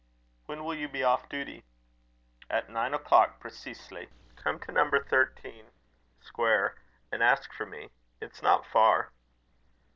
"When will you be off duty?" "At nine o'clock preceesely." "Come to No. 13, Square, and ask for me. It's not far."